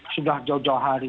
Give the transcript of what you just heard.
sudah jauh jauh hari